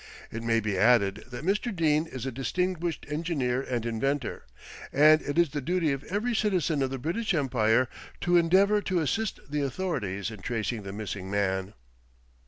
It may be added that Mr. Dene is a distinguished engineer and inventor, and it is the duty of every citizen of the British Empire to endeavour to assist the Authorities in tracing the missing man.